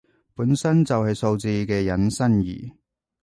本身就係數字嘅引申義